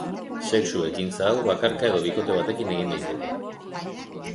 Sexu ekintza hau bakarka edo bikote batekin egin daiteke.